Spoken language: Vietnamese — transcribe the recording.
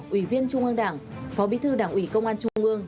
ủy viên trung ương đảng phó bí thư đảng ủy công an trung ương